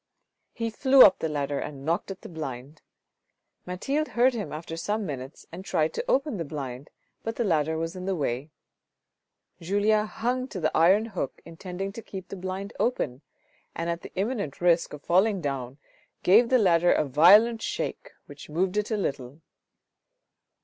He flew up the ladder and knocked at the blind ; Mathilde heard him after some minutes and tried to open the blind but the ladder was in the way. Julien hung to the iron hook intending to keep the blind open, and at the imminent risk of falling down, gave the ladder a violent shake which moved it a little.